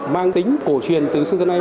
mang tính cổ truyền từ xưa đến nay